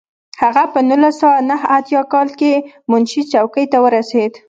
هغه په نولس سوه نهه اتیا کال کې منشي څوکۍ ته ورسېد.